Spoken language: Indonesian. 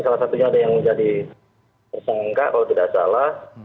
salah satunya ada yang menjadi tersangka kalau tidak salah